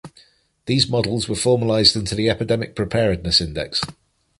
These models were formalized into the Epidemic Preparedness Index.